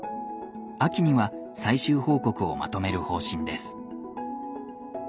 秋には最終報告をまとめる方針です。